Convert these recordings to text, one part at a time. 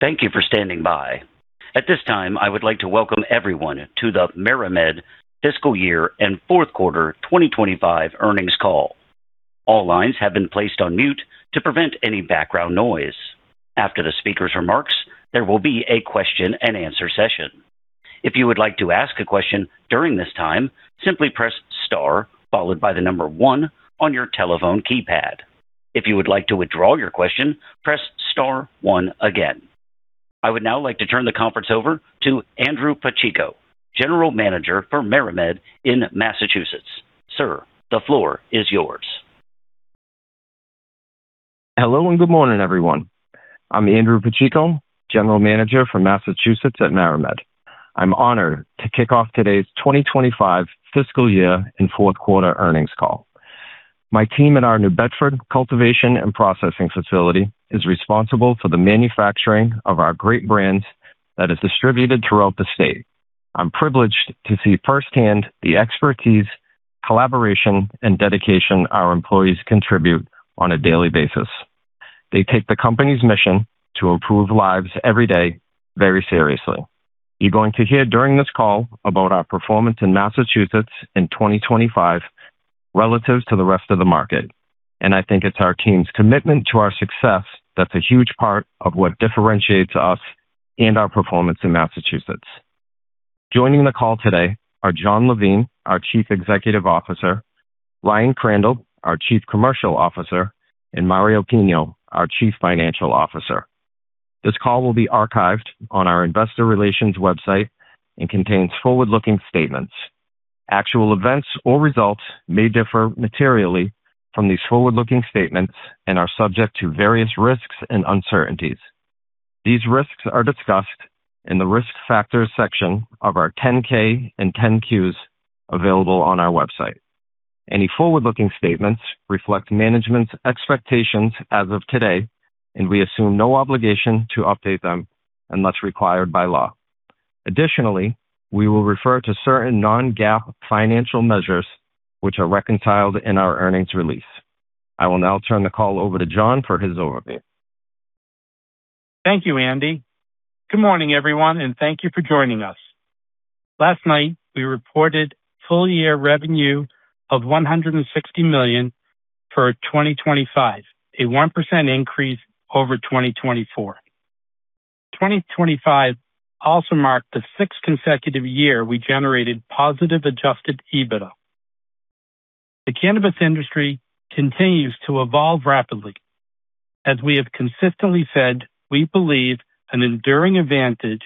Thank you for standing by. At this time, I would like to welcome everyone to the MariMed Fiscal Year and Fourth Quarter 2025 Earnings Call. All lines have been placed on mute to prevent any background noise. After the speaker's remarks, there will be a question-and-answer session. If you would like to ask a question during this time, simply press star followed by the number one on your telephone keypad. If you would like to withdraw your question, press star one again. I would now like to turn the conference over to Andrew Pacheco, General Manager for MariMed in Massachusetts. Sir, the floor is yours. Hello and good morning, everyone. I'm Andrew Pacheco, General Manager for Massachusetts at MariMed. I'm honored to kick off today's 2025 fiscal year and fourth quarter earnings call. My team at our New Bedford cultivation and processing facility is responsible for the manufacturing of our great brands that is distributed throughout the state. I'm privileged to see firsthand the expertise, collaboration, and dedication our employees contribute on a daily basis. They take the company's mission to improve lives every day very seriously. You're going to hear during this call about our performance in Massachusetts in 2025 relative to the rest of the market, and I think it's our team's commitment to our success that's a huge part of what differentiates us and our performance in Massachusetts. Joining the call today are Jon Levine, our Chief Executive Officer, Ryan Crandall, our Chief Commercial Officer, and Mario Pinho, our Chief Financial Officer. This call will be archived on our investor relations website and contains forward-looking statements. Actual events or results may differ materially from these forward-looking statements and are subject to various risks and uncertainties. These risks are discussed in the Risk Factors section of our 10-K and 10-Qs available on our website. Any forward-looking statements reflect management's expectations as of today, and we assume no obligation to update them unless required by law. Additionally, we will refer to certain non-GAAP financial measures which are reconciled in our earnings release. I will now turn the call over to Jon for his overview. Thank you, Andy. Good morning, everyone, and thank you for joining us. Last night, we reported full-year revenue of $160 million for 2025, a 1% increase over 2024. 2025 also marked the sixth consecutive year we generated positive adjusted EBITDA. The cannabis industry continues to evolve rapidly. As we have consistently said, we believe an enduring advantage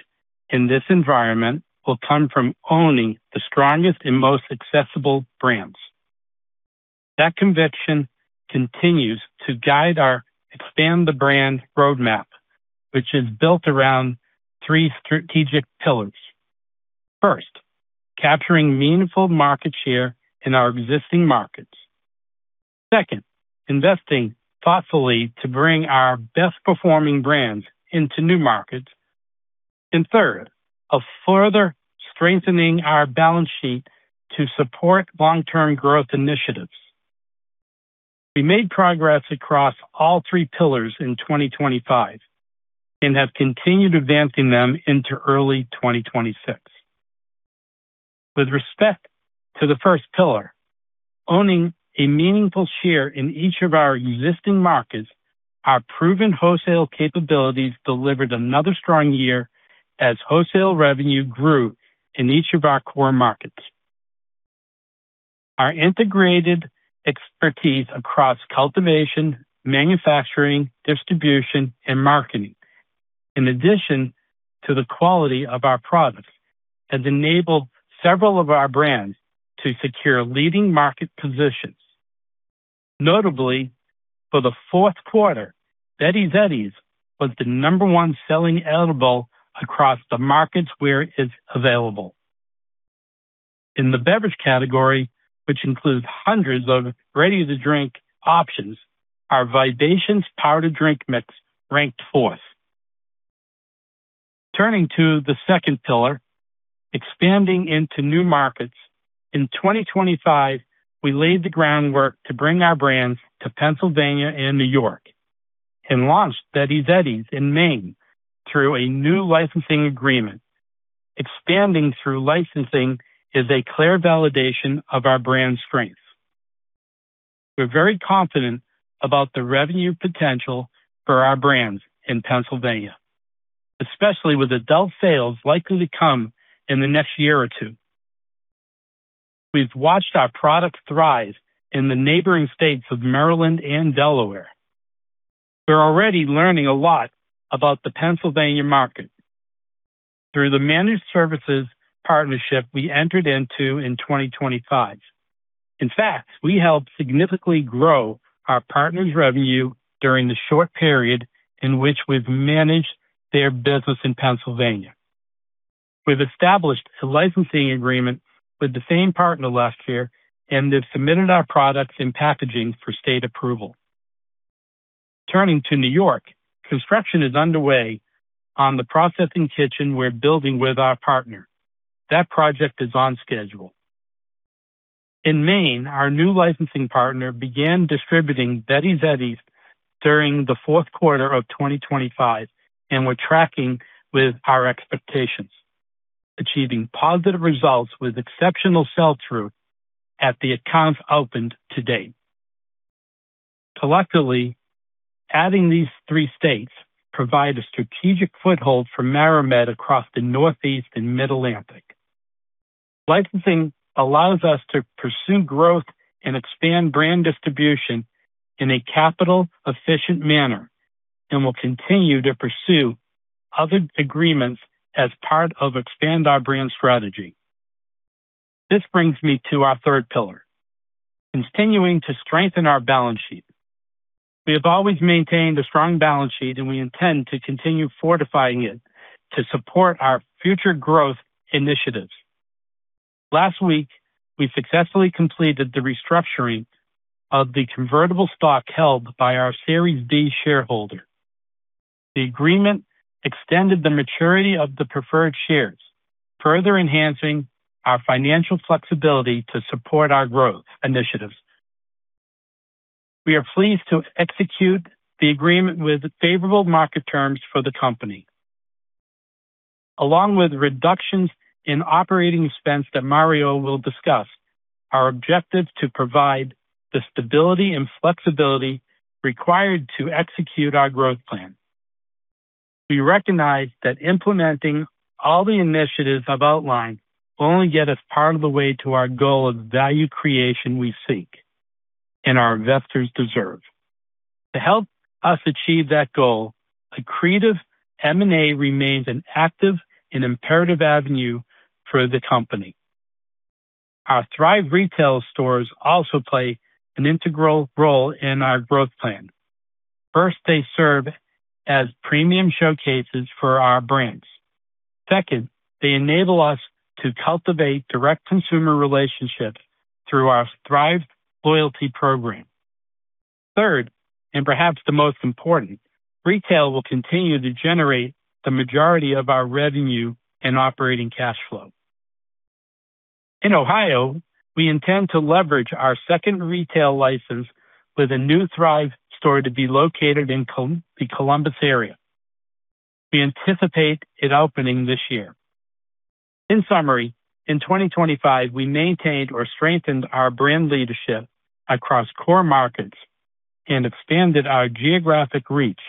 in this environment will come from owning the strongest and most accessible brands. That conviction continues to guide our Expand the Brand roadmap, which is built around three strategic pillars. First, capturing meaningful market share in our existing markets. Second, investing thoughtfully to bring our best-performing brands into new markets. Third, further strengthening our balance sheet to support long-term growth initiatives. We made progress across all three pillars in 2025 and have continued advancing them into early 2026. With respect to the first pillar, owning a meaningful share in each of our existing markets, our proven wholesale capabilities delivered another strong year as wholesale revenue grew in each of our core markets. Our integrated expertise across cultivation, manufacturing, distribution, and marketing, in addition to the quality of our products, has enabled several of our brands to secure leading market positions. Notably, for the fourth quarter, Betty's Eddies was the number one-selling edible across the markets where it's available. In the beverage category, which includes hundreds of ready-to-drink options, our Vibations powdered drink mix ranked fourth. Turning to the second pillar, expanding into new markets. In 2025, we laid the groundwork to bring our brands to Pennsylvania and New York and launched Betty's Eddies in Maine through a new licensing agreement. Expanding through licensing is a clear validation of our brand's strengths. We're very confident about the revenue potential for our brands in Pennsylvania, especially with adult sales likely to come in the next year or two. We've watched our products thrive in the neighboring states of Maryland and Delaware. We're already learning a lot about the Pennsylvania market through the managed services partnership we entered into in 2025. In fact, we helped significantly grow our partner's revenue during the short period in which we've managed their business in Pennsylvania. We've established a licensing agreement with the same partner last year and have submitted our products and packaging for state approval. Turning to New York, construction is underway on the processing kitchen we're building with our partner. That project is on schedule. In Maine, our new licensing partner began distributing Betty's Eddies during the fourth quarter of 2025 and were tracking with our expectations, achieving positive results with exceptional sell-through at the accounts opened to date. Collectively, adding these three states provide a strategic foothold for MariMed across the Northeast and Mid-Atlantic. Licensing allows us to pursue growth and expand brand distribution in a capital-efficient manner and will continue to pursue other agreements as part of Expand the Brand strategy. This brings me to our third pillar, continuing to strengthen our balance sheet. We have always maintained a strong balance sheet, and we intend to continue fortifying it to support our future growth initiatives. Last week, we successfully completed the restructuring of the convertible stock held by our Series D shareholder. The agreement extended the maturity of the preferred shares, further enhancing our financial flexibility to support our growth initiatives. We are pleased to execute the agreement with favorable market terms for the company. Along with reductions in operating expense that Mario will discuss, our objective to provide the stability and flexibility required to execute our growth plan. We recognize that implementing all the initiatives I've outlined will only get us part of the way to our goal of value creation we seek, and our investors deserve. To help us achieve that goal, accretive M&A remains an active and imperative avenue for the company. Our Thrive retail stores also play an integral role in our growth plan. First, they serve as premium showcases for our brands. Second, they enable us to cultivate direct consumer relationships through our Thrive loyalty program. Third, and perhaps the most important, retail will continue to generate the majority of our revenue and operating cash flow. In Ohio, we intend to leverage our second retail license with a new Thrive store to be located in the Columbus area. We anticipate it opening this year. In summary, in 2025, we maintained or strengthened our brand leadership across core markets and expanded our geographic reach.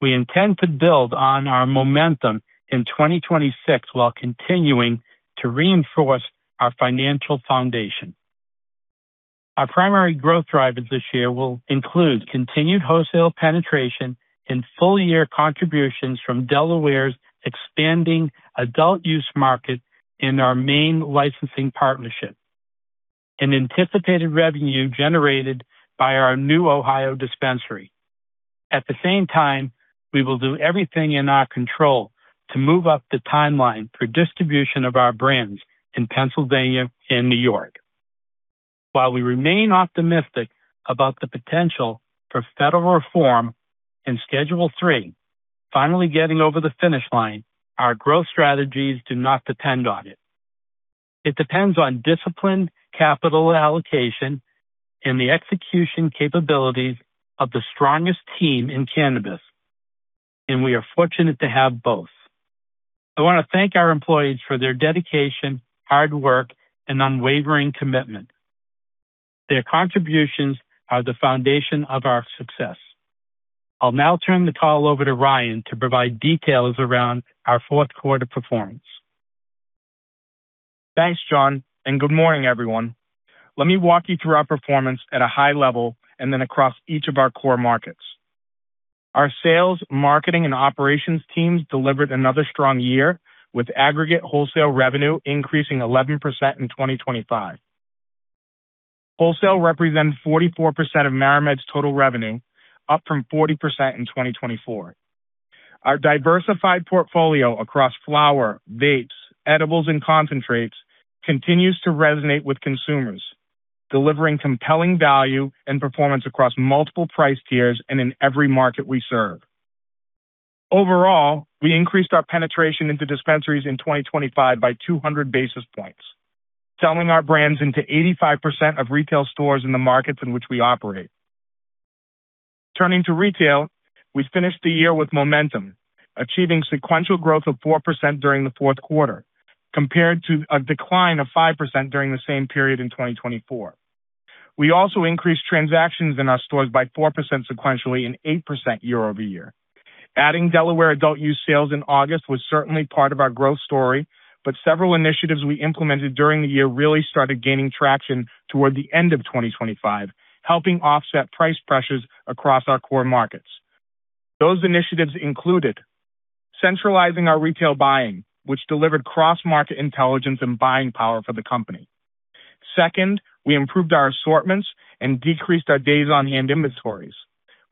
We intend to build on our momentum in 2026 while continuing to reinforce our financial foundation. Our primary growth drivers this year will include continued wholesale penetration and full-year contributions from Delaware's expanding adult use market and our main licensing partnership, and anticipated revenue generated by our new Ohio dispensary. At the same time, we will do everything in our control to move up the timeline for distribution of our brands in Pennsylvania and New York. While we remain optimistic about the potential for federal reform in Schedule III, finally getting over the finish line, our growth strategies do not depend on it. It depends on disciplined capital allocation and the execution capabilities of the strongest team in cannabis, and we are fortunate to have both. I wanna thank our employees for their dedication, hard work, and unwavering commitment. Their contributions are the foundation of our success. I'll now turn the call over to Ryan to provide details around our fourth quarter performance. Thanks, Jon, and good morning, everyone. Let me walk you through our performance at a high level and then across each of our core markets. Our sales, marketing, and operations teams delivered another strong year, with aggregate wholesale revenue increasing 11% in 2025. Wholesale represents 44% of MariMed's total revenue, up from 40% in 2024. Our diversified portfolio across flower, vapes, edibles, and concentrates continues to resonate with consumers, delivering compelling value and performance across multiple price tiers and in every market we serve. Overall, we increased our penetration into dispensaries in 2025 by 200 basis points, selling our brands into 85% of retail stores in the markets in which we operate. Turning to retail, we finished the year with momentum, achieving sequential growth of 4% during the fourth quarter, compared to a decline of 5% during the same period in 2024. We also increased transactions in our stores by 4% sequentially and 8% year over year. Adding Delaware adult use sales in August was certainly part of our growth story, but several initiatives we implemented during the year really started gaining traction toward the end of 2025, helping offset price pressures across our core markets. Those initiatives included centralizing our retail buying, which delivered cross-market intelligence and buying power for the company. Second, we improved our assortments and decreased our days on hand inventories.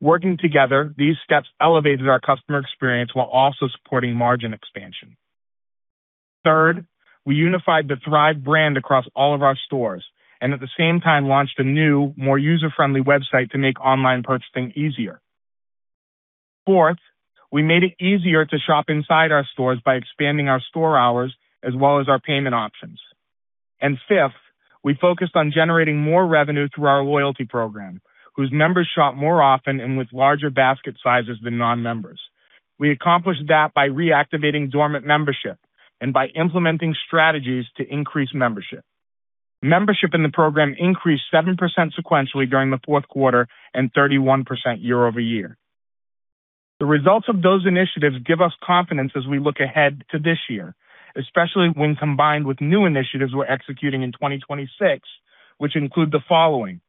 Working together, these steps elevated our customer experience while also supporting margin expansion. Third, we unified the Thrive brand across all of our stores and at the same time launched a new, more user-friendly website to make online purchasing easier. Fourth, we made it easier to shop inside our stores by expanding our store hours as well as our payment options. Fifth, we focused on generating more revenue through our loyalty program, whose members shop more often and with larger basket sizes than non-members. We accomplished that by reactivating dormant membership and by implementing strategies to increase membership. Membership in the program increased 7% sequentially during the fourth quarter and 31% year over year. The results of those initiatives give us confidence as we look ahead to this year, especially when combined with new initiatives we're executing in 2026, which include the following.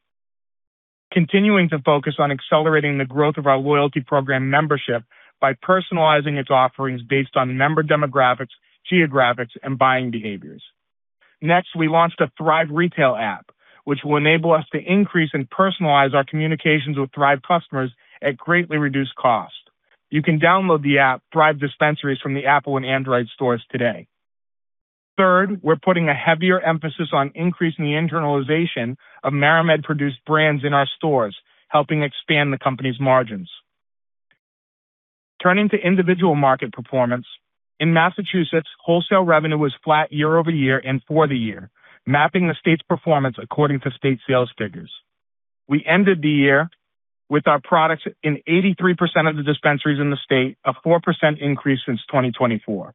Continuing to focus on accelerating the growth of our loyalty program membership by personalizing its offerings based on member demographics, geographics, and buying behaviors. Next, we launched a Thrive retail app, which will enable us to increase and personalize our communications with Thrive customers at greatly reduced cost. You can download the app, Thrive Dispensaries, from the Apple and Android stores today. Third, we're putting a heavier emphasis on increasing the internalization of MariMed-produced brands in our stores, helping expand the company's margins. Turning to individual market performance. In Massachusetts, wholesale revenue was flat year-over-year and for the year, mapping the state's performance according to state sales figures. We ended the year with our products in 83% of the dispensaries in the state, a 4% increase since 2024.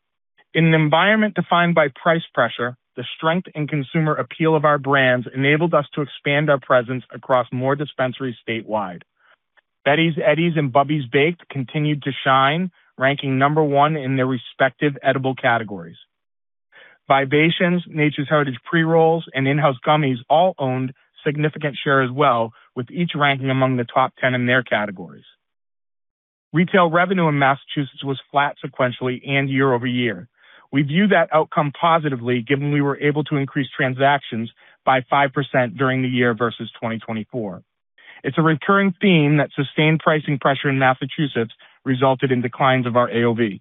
In an environment defined by price pressure, the strength and consumer appeal of our brands enabled us to expand our presence across more dispensaries statewide. Betty's Eddies and Bubby's Baked continued to shine, ranking number one in their respective edible categories. Vibations, Nature's Heritage pre-rolls, and InHouse gummies all owned significant share as well, with each ranking among the top 10 in their categories. Retail revenue in Massachusetts was flat sequentially and year over year. We view that outcome positively, given we were able to increase transactions by 5% during the year versus 2024. It's a recurring theme that sustained pricing pressure in Massachusetts resulted in declines of our AOV.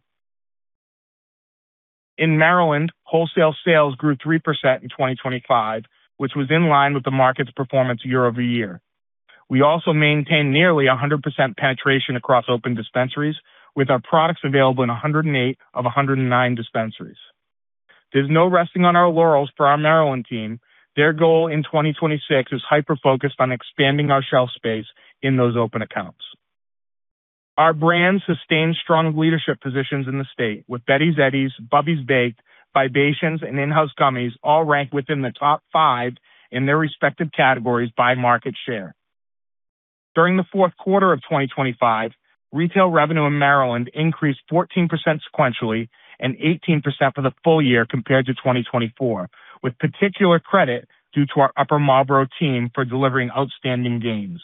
In Maryland, wholesale sales grew 3% in 2025, which was in line with the market's performance year over year. We also maintained nearly 100% penetration across open dispensaries, with our products available in 108 of 109 dispensaries. There's no resting on our laurels for our Maryland team. Their goal in 2026 is hyper-focused on expanding our shelf space in those open accounts. Our brands sustained strong leadership positions in the state, with Betty's Eddies, Bubby's Baked, Vibations, and InHouse gummies all ranked within the top five in their respective categories by market share. During the fourth quarter of 2025, retail revenue in Maryland increased 14% sequentially and 18% for the full year compared to 2024, with particular credit due to our Upper Marlboro team for delivering outstanding gains.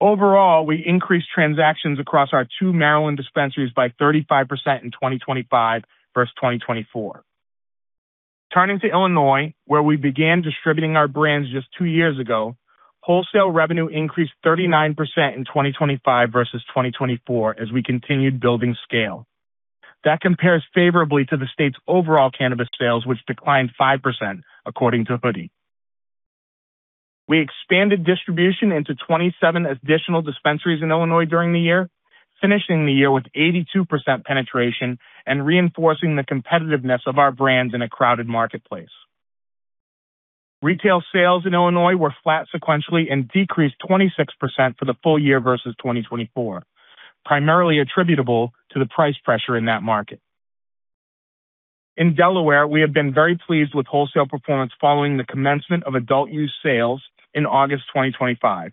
Overall, we increased transactions across our two Maryland dispensaries by 35% in 2025 versus 2024. Turning to Illinois, where we began distributing our brands just two years ago, wholesale revenue increased 39% in 2025 versus 2024 as we continued building scale. That compares favorably to the state's overall cannabis sales, which declined 5% according to Headset. We expanded distribution into 27 additional dispensaries in Illinois during the year, finishing the year with 82% penetration and reinforcing the competitiveness of our brands in a crowded marketplace. Retail sales in Illinois were flat sequentially and decreased 26% for the full year versus 2024, primarily attributable to the price pressure in that market. In Delaware, we have been very pleased with wholesale performance following the commencement of adult use sales in August 2025.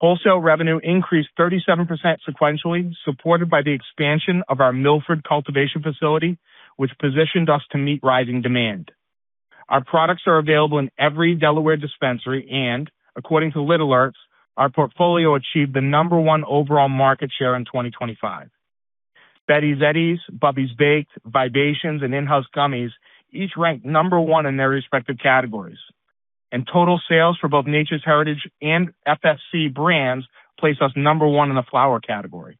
Wholesale revenue increased 37% sequentially, supported by the expansion of our Milford cultivation facility, which positioned us to meet rising demand. Our products are available in every Delaware dispensary, and according to Headset, our portfolio achieved the number one overall market share in 2025. Betty's Eddies, Bubby's Baked, Vibations, and InHouse gummies each ranked number one in their respective categories. Total sales for both Nature's Heritage and FSC brands placed us number one in the flower category.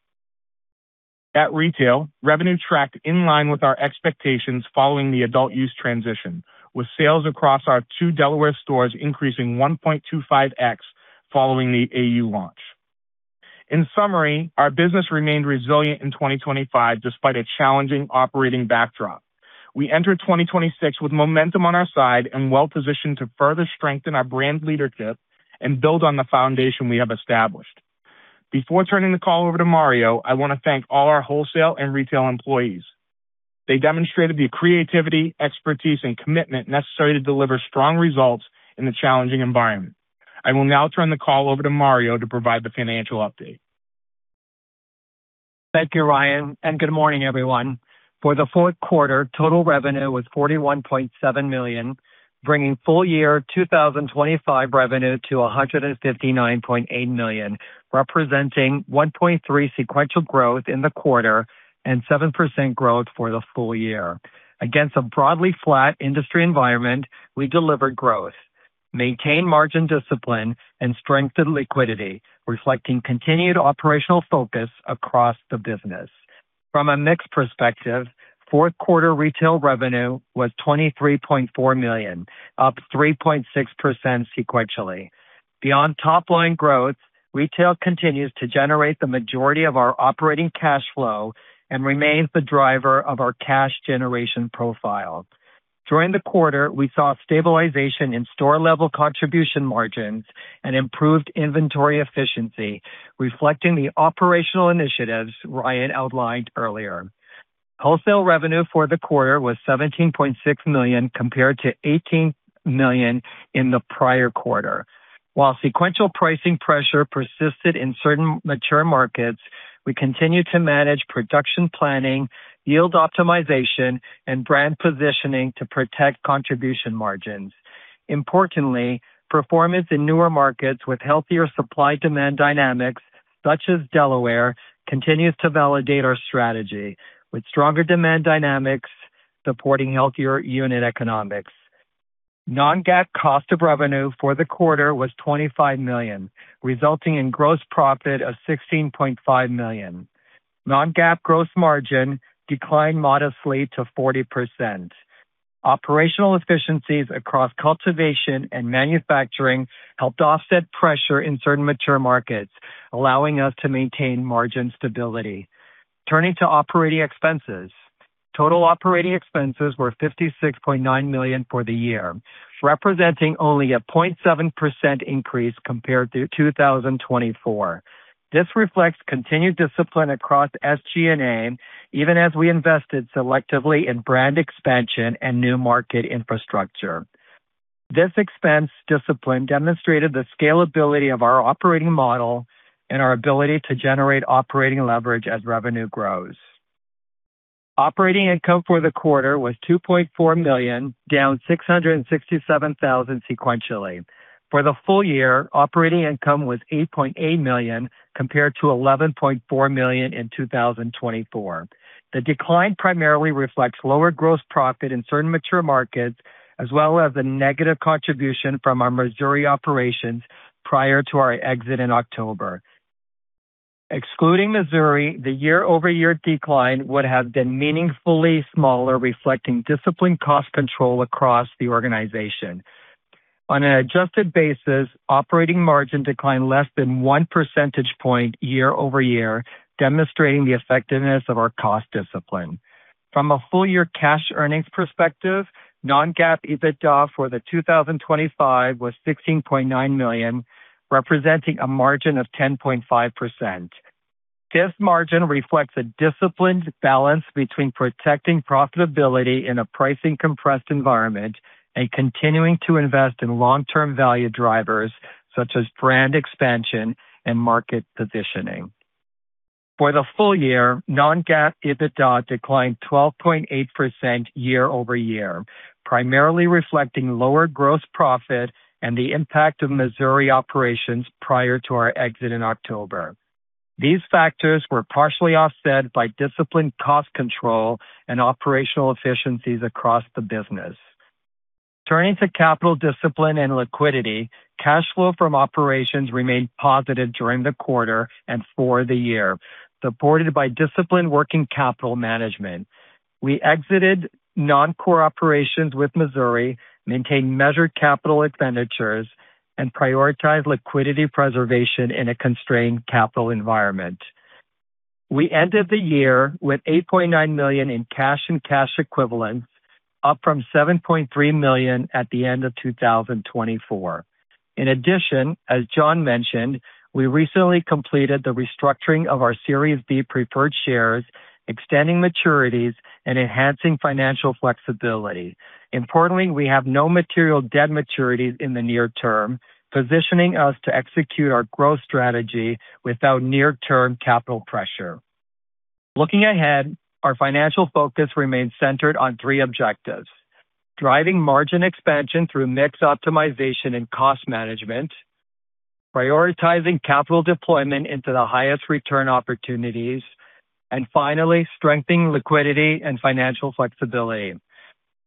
At retail, revenue tracked in line with our expectations following the adult use transition, with sales across our two Delaware stores increasing 1.25x following the AU launch. In summary, our business remained resilient in 2025 despite a challenging operating backdrop. We entered 2026 with momentum on our side and well-positioned to further strengthen our brand leadership and build on the foundation we have established. Before turning the call over to Mario, I want to thank all our wholesale and retail employees. They demonstrated the creativity, expertise, and commitment necessary to deliver strong results in the challenging environment. I will now turn the call over to Mario to provide the financial update. Thank you, Ryan, and good morning, everyone. For the fourth quarter, total revenue was $41.7 million, bringing full year 2025 revenue to $159.8 million, representing 1.3% sequential growth in the quarter and 7% growth for the full year. Against a broadly flat industry environment, we delivered growth, maintained margin discipline, and strengthened liquidity, reflecting continued operational focus across the business. From a mix perspective, fourth quarter retail revenue was $23.4 million, up 3.6% sequentially. Beyond top line growth, retail continues to generate the majority of our operating cash flow and remains the driver of our cash generation profile. During the quarter, we saw stabilization in store-level contribution margins and improved inventory efficiency, reflecting the operational initiatives Ryan outlined earlier. Wholesale revenue for the quarter was $17.6 million, compared to $18 million in the prior quarter. While sequential pricing pressure persisted in certain mature markets, we continued to manage production planning, yield optimization, and brand positioning to protect contribution margins. Importantly, performance in newer markets with healthier supply-demand dynamics, such as Delaware, continues to validate our strategy, with stronger demand dynamics supporting healthier unit economics. non-GAAP cost of revenue for the quarter was $25 million, resulting in gross profit of $16.5 million. non-GAAP gross margin declined modestly to 40%. Operational efficiencies across cultivation and manufacturing helped offset pressure in certain mature markets, allowing us to maintain margin stability. Turning to operating expenses. Total operating expenses were $56.9 million for the year, representing only a 0.7% increase compared to 2024. This reflects continued discipline across SG&A, even as we invested selectively in brand expansion and new market infrastructure. This expense discipline demonstrated the scalability of our operating model and our ability to generate operating leverage as revenue grows. Operating income for the quarter was $2.4 million, down $667,000 sequentially. For the full year, operating income was $8.8 million, compared to $11.4 million in 2024. The decline primarily reflects lower gross profit in certain mature markets, as well as a negative contribution from our Missouri operations prior to our exit in October. Excluding Missouri, the year-over-year decline would have been meaningfully smaller, reflecting disciplined cost control across the organization. On an adjusted basis, operating margin declined less than one percentage point year-over-year, demonstrating the effectiveness of our cost discipline. From a full-year cash earnings perspective, non-GAAP EBITDA for 2025 was $16.9 million, representing a margin of 10.5%. This margin reflects a disciplined balance between protecting profitability in a price-compressed environment and continuing to invest in long-term value drivers such as brand expansion and market positioning. For the full year, non-GAAP EBITDA declined 12.8% year-over-year, primarily reflecting lower gross profit and the impact of Missouri operations prior to our exit in October. These factors were partially offset by disciplined cost control and operational efficiencies across the business. Turning to capital discipline and liquidity, cash flow from operations remained positive during the quarter and for the year, supported by disciplined working capital management. We exited non-core operations with Missouri, maintained measured capital expenditures, and prioritized liquidity preservation in a constrained capital environment. We ended the year with $8.9 million in cash and cash equivalents, up from $7.3 million at the end of 2024. In addition, as Jon mentioned, we recently completed the restructuring of our Series B preferred shares, extending maturities and enhancing financial flexibility. Importantly, we have no material debt maturities in the near term, positioning us to execute our growth strategy without near-term capital pressure. Looking ahead, our financial focus remains centered on three objectives, driving margin expansion through mix optimization and cost management, prioritizing capital deployment into the highest return opportunities, and finally, strengthening liquidity and financial flexibility.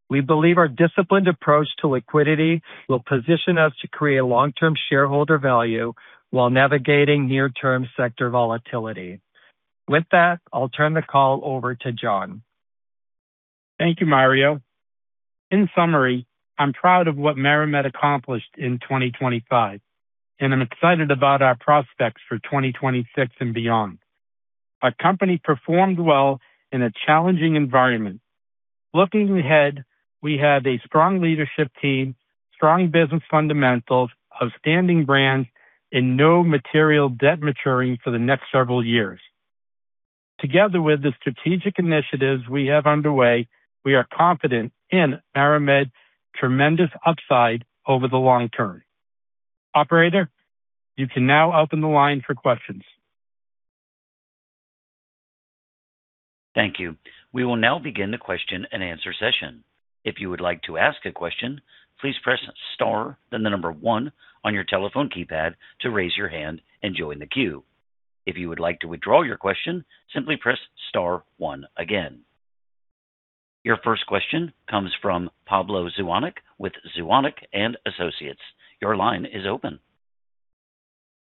We believe our disciplined approach to liquidity will position us to create long-term shareholder value while navigating near-term sector volatility. With that, I'll turn the call over to Jon. Thank you, Mario. In summary, I'm proud of what MariMed accomplished in 2025, and I'm excited about our prospects for 2026 and beyond. Our company performed well in a challenging environment. Looking ahead, we have a strong leadership team, strong business fundamentals, outstanding brands, and no material debt maturing for the next several years. Together with the strategic initiatives we have underway, we are confident in MariMed's tremendous upside over the long term. Operator, you can now open the line for questions. Thank you. We will now begin the question-and-answer session. If you would like to ask a question, please press star, then the number one on your telephone keypad to raise your hand and join the queue. If you would like to withdraw your question, simply press star one again. Your first question comes from Pablo Zuanic with Zuanic & Associates. Your line is open.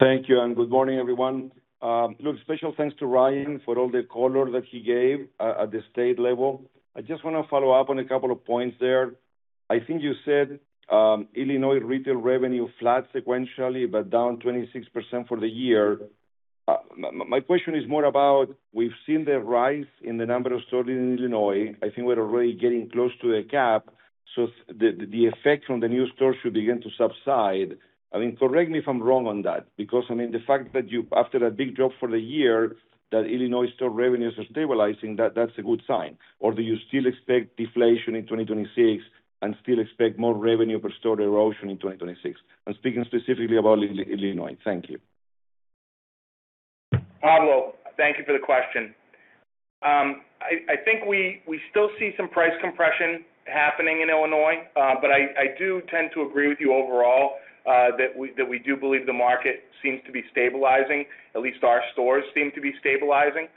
Thank you, and good morning, everyone. Look, special thanks to Ryan for all the color that he gave at the state level. I just wanna follow up on a couple of points there. I think you said Illinois retail revenue flat sequentially, but down 26% for the year. My question is more about we've seen the rise in the number of stores in Illinois. I think we're already getting close to the cap, so the effect from the new stores should begin to subside. I mean, correct me if I'm wrong on that because I mean, the fact that after that big drop for the year, that Illinois store revenues are stabilizing, that's a good sign. Or do you still expect deflation in 2026 and still expect more revenue per store erosion in 2026? I'm speaking specifically about Illinois. Thank you. Pablo, thank you for the question. I think we still see some price compression happening in Illinois, but I do tend to agree with you overall, that we do believe the market seems to be stabilizing. At least our stores seem to be stabilizing.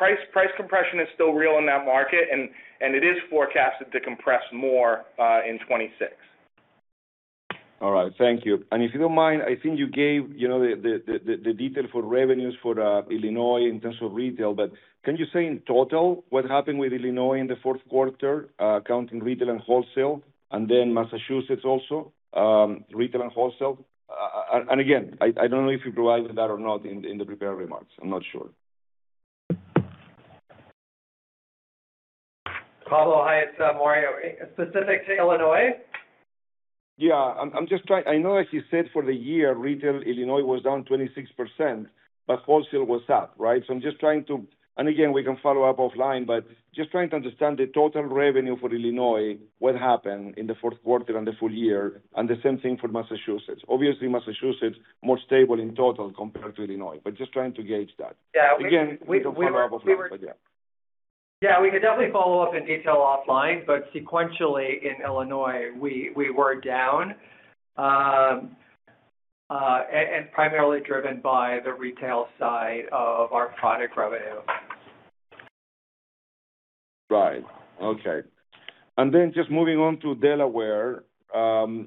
Price compression is still real in that market and it is forecasted to compress more in 2026. All right. Thank you. If you don't mind, I think you gave, you know, the detail for revenues for Illinois in terms of retail, but can you say in total what happened with Illinois in the fourth quarter, counting retail and wholesale, and then Massachusetts also, retail and wholesale? Again, I don't know if you provided that or not in the prepared remarks. I'm not sure. Pablo, hi, it's Mario. Specific to Illinois? Yeah. I'm just trying. I know that you said for the year, retail Illinois was down 26%, but wholesale was up, right? We can follow up offline, but just trying to understand the total revenue for Illinois, what happened in the fourth quarter and the full year, and the same thing for Massachusetts. Obviously, Massachusetts, more stable in total compared to Illinois, but just trying to gauge that. Yeah. We were Again, we can follow up offline, but yeah. Yeah, we can definitely follow up in detail offline. Sequentially, in Illinois, we were down, primarily driven by the retail side of our product revenue. Right. Okay. Then just moving on to Delaware, can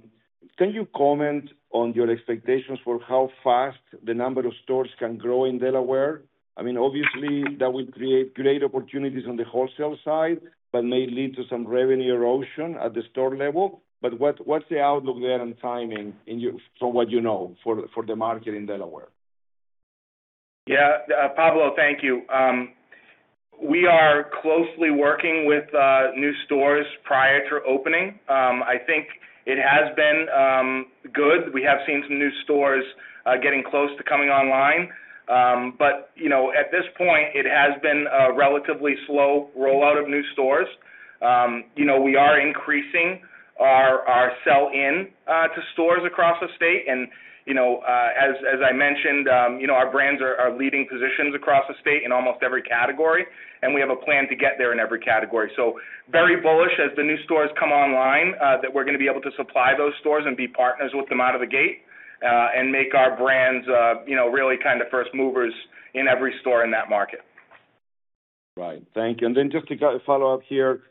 you comment on your expectations for how fast the number of stores can grow in Delaware? I mean, obviously, that would create great opportunities on the wholesale side but may lead to some revenue erosion at the store level. What's the outlook there on timing from what you know for the market in Delaware? Yeah. Pablo, thank you. We are closely working with new stores prior to opening. I think it has been good. We have seen some new stores getting close to coming online. You know, at this point, it has been a relatively slow rollout of new stores. You know, we are increasing our sell-in to stores across the state. You know, as I mentioned, you know, our brands are leading positions across the state in almost every category, and we have a plan to get there in every category. Very bullish as the new stores come online, that we're gonna be able to supply those stores and be partners with them out of the gate, and make our brands, you know, really kind of first movers in every store in that market. Right. Thank you. Just to follow up here,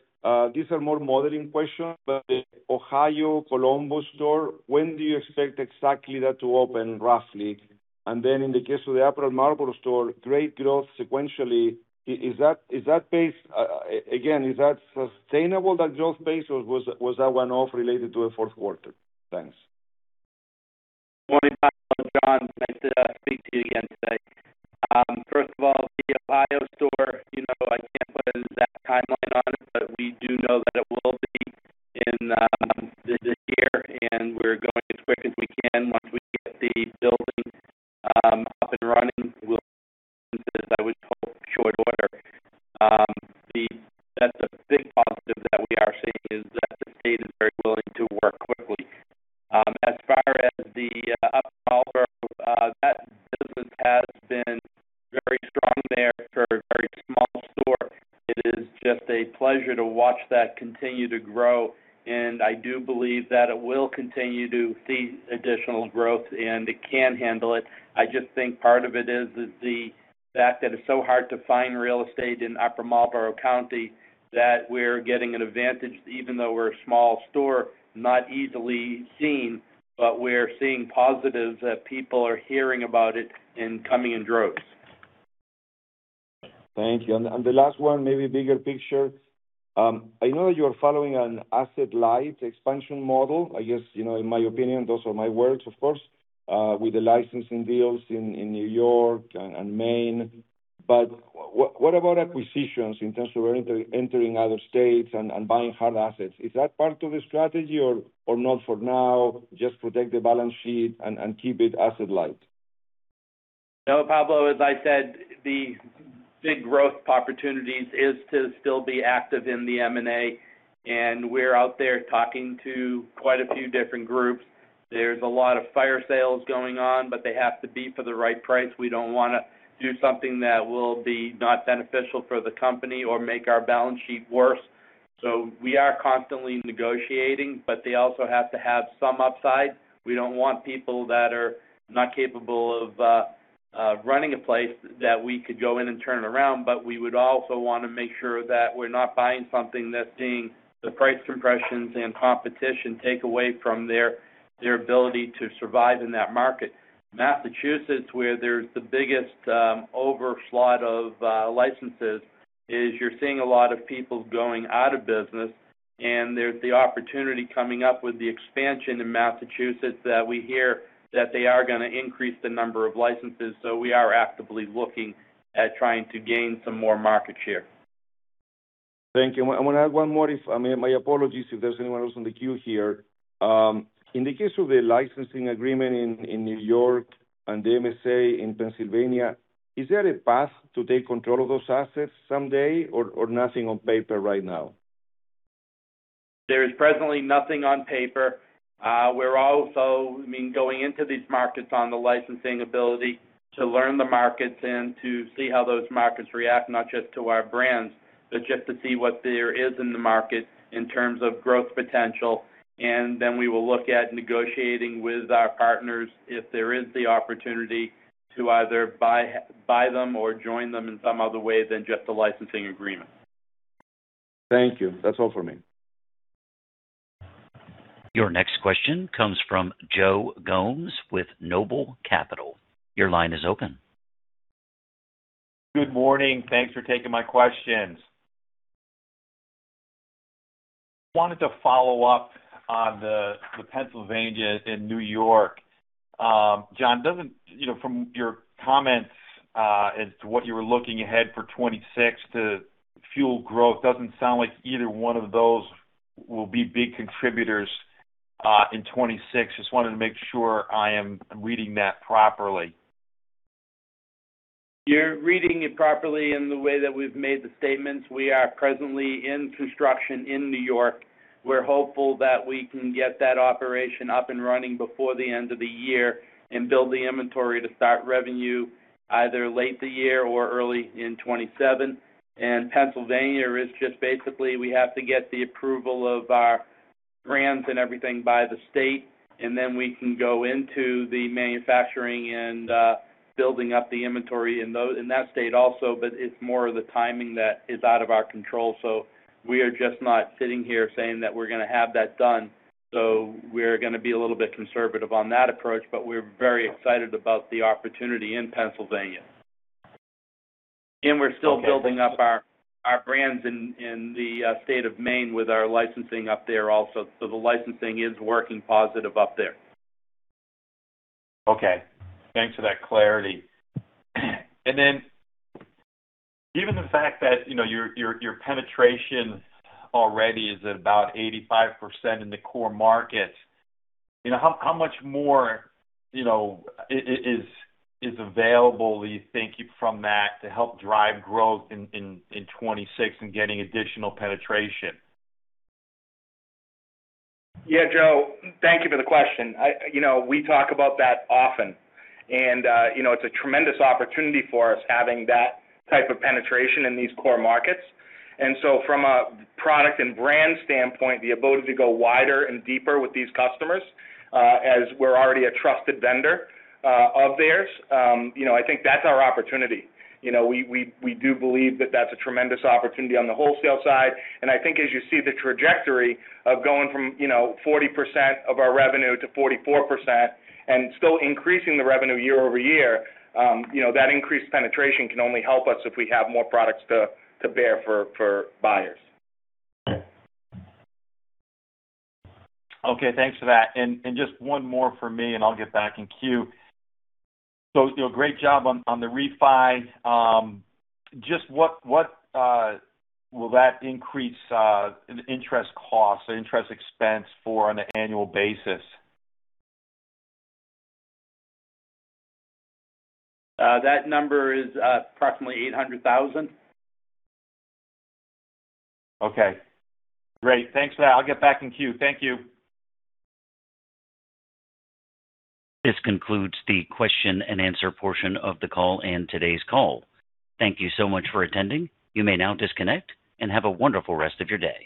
these are more modeling questions. The Ohio Columbus store, when do you expect exactly that to open, roughly? In the case of the Upper Marlboro store, great growth sequentially. Is that base sustainable, that growth base, or was that one-off related to the fourth quarter? Thanks. Morning, Pablo. Jon. Nice to speak to you again today. First of all, the Ohio store, you know, I can't put an exact timeline on it, but we do know that it will be in this year, and we're going as quick as we can. Once we get the building up and running, we'll Mm-hmm. I would hope in short order. That's a big positive that we are seeing is that the state is very willing to work quickly. As far as the Upper Marlboro, that business has been very strong there for a very small store. It is just a pleasure to watch that continue to grow, and I do believe that it will continue to see additional growth, and it can handle it. I just think part of it is the fact that it's so hard to find real estate in Upper Marlboro County that we're getting an advantage, even though we're a small store, not easily seen, but we're seeing positives that people are hearing about it and coming in droves. Thank you. The last one, maybe bigger picture. I know you're following an asset-light expansion model. I guess, you know, in my opinion, those are my words, of course, with the licensing deals in New York and Maine. What about acquisitions in terms of entering other states and buying hard assets? Is that part of the strategy or not for now, just protect the balance sheet and keep it asset-light? No, Pablo, as I said, the big growth opportunities is to still be active in the M&A, and we're out there talking to quite a few different groups. There's a lot of fire sales going on, but they have to be for the right price. We don't wanna do something that will be not beneficial for the company or make our balance sheet worse. We are constantly negotiating, but they also have to have some upside. We don't want people that are not capable of running a place that we could go in and turn around, but we would also want to make sure that we're not buying something that's seeing the price compressions and competition take away from their ability to survive in that market. Massachusetts, where there's the biggest overslot of licenses, is you're seeing a lot of people going out of business, and there's the opportunity coming up with the expansion in Massachusetts that we hear that they are gonna increase the number of licenses. We are actively looking at trying to gain some more market share. Thank you. I wanna add one more if I mean, my apologies if there's anyone else on the queue here. In the case of a licensing agreement in New York and the MSA in Pennsylvania, is there a path to take control of those assets someday or nothing on paper right now? There is presently nothing on paper. We're also, I mean, going into these markets on the licensing ability to learn the markets and to see how those markets react, not just to our brands, but just to see what there is in the market in terms of growth potential. Then we will look at negotiating with our partners if there is the opportunity to either buy them or join them in some other way than just the licensing agreement. Thank you. That's all for me. Your next question comes from Joe Gomes with NOBLE Capital Markets. Your line is open. Good morning. Thanks for taking my questions. Wanted to follow up on the Pennsylvania and New York. Jon, you know, from your comments as to what you were looking ahead for 2026 to fuel growth, doesn't sound like either one of those will be big contributors in 2026. Just wanted to make sure I am reading that properly. You're reading it properly in the way that we've made the statements. We are presently in construction in New York. We're hopeful that we can get that operation up and running before the end of the year and build the inventory to start revenue either late in the year or early in 2027. Pennsylvania is just basically we have to get the approval of our brands and everything by the state, and then we can go into the manufacturing and, building up the inventory in that state also, but it's more of the timing that is out of our control. We are just not sitting here saying that we're gonna have that done. We're gonna be a little bit conservative on that approach, but we're very excited about the opportunity in Pennsylvania. Okay. We're still building up our brands in the state of Maine with our licensing up there also. The licensing is working positive up there. Okay. Thanks for that clarity. Given the fact that, you know, your penetration already is at about 85% in the core markets, you know, how much more, you know, is available, do you think, from that to help drive growth in 2026 and getting additional penetration? Yeah, Joe, thank you for the question. You know, we talk about that often. You know, it's a tremendous opportunity for us having that type of penetration in these core markets. From a product and brand standpoint, the ability to go wider and deeper with these customers, as we're already a trusted vendor of theirs, you know, I think that's our opportunity. You know, we do believe that that's a tremendous opportunity on the wholesale side. I think as you see the trajectory of going from, you know, 40% of our revenue to 44% and still increasing the revenue year-over-year, you know, that increased penetration can only help us if we have more products to bear for buyers. Okay. Thanks for that. Just one more for me, and I'll get back in queue. You know, great job on the refi. Just what will that increase in interest costs or interest expense for on an annual basis? That number is approximately 800,000. Okay. Great. Thanks for that. I'll get back in queue. Thank you. This concludes the question and answer portion of the call and today's call. Thank you so much for attending. You may now disconnect and have a wonderful rest of your day.